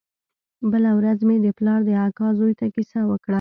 بله ورځ مې د پلار د اکا زوى ته کيسه وکړه.